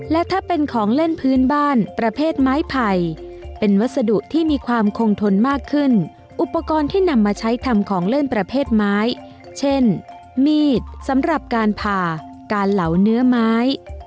และถ้าเป็นของเล่นพื้นบ้านประเภทไม้ไผ่เป็นวัสดุที่มีความคงทนมากขึ้นอุปกรณ์ที่นำมาใช้ทำของเล่นประเภทไม้เช่นมีดสำหรับการผ่าการเหลาเนื้อไม้